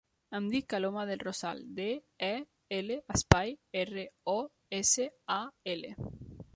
Em dic Aloma Del Rosal: de, e, ela, espai, erra, o, essa, a, ela.